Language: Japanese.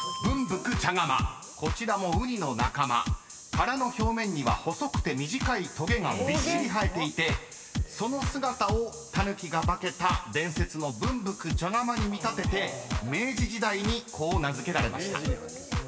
［殻の表面には細くて短いとげがびっしり生えていてその姿をタヌキが化けた伝説の『分福茶釜』に見立てて明治時代にこう名付けられました］